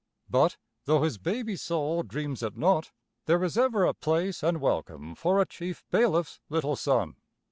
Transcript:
But, though his baby soul dreams it not, there is ever a place and welcome for a chief bailiff's little son.